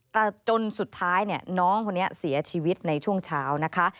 แต่จนสุดท้ายน้องคนนี้เสียชีวิตในช่วงเช้านะคะ